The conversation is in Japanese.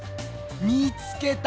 見つけた！